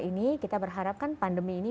ini kita berharapkan pandemi ini